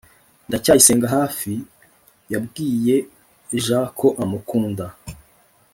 ndacyayisenga hafi yabwiye j ko amukunda